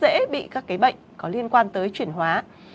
và cơ thể sẽ rất dễ bị các cái bệnh có liên quan tới truyền hóa